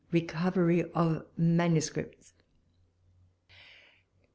RECOVERY OF MANUSCRIPTS.